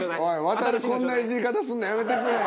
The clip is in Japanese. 航こんなイジり方するのやめてくれ！